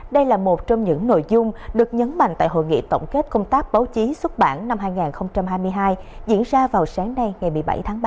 đây là một trong những nội dung được nhấn mạnh tại hội nghị tổng kết công tác báo chí xuất bản năm hai nghìn hai mươi hai diễn ra vào sáng nay ngày một mươi bảy tháng ba